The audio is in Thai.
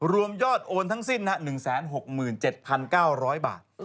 รวมยอดโอนทั้งสิ้น๑๖๗๙๐๐บาท